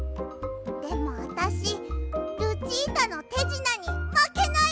でもあたしルチータのてじなにまけないもん！